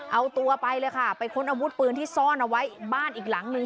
เอาตัวไปเลยค่ะไปค้นอาวุธปืนที่ซ่อนเอาไว้บ้านอีกหลังนึง